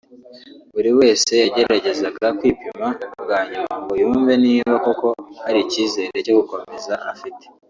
Buri wese yageragezaga kwipima bwa nyuma ngo yumve niba koko hari icyizere cyo gukomeza afite